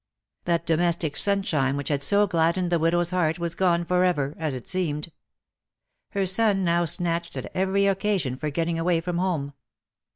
That domestic sunshine which had so gladdened the widow^s heart, was gone for ever, as it seemed. Her son now snatched at every occasion for getting away from home.